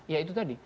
ya itu tadi